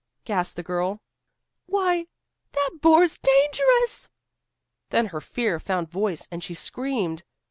gasped the girl. "Why, that boar's dangerous!" Then her fear found voice and she screamed.